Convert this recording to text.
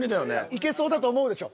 いけそうだと思うでしょ。